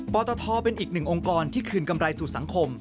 ปตทเป็นอีกหนึ่งองค์กรที่คืนกำไรสู่สังคม